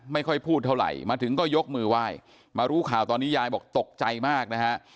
ไม่ค่อยพูดเท่าไหร่มาถึงก็ยกมือไหว้มารู้ข่าวตอนนี้ยายบอกตกใจมากนะฮะ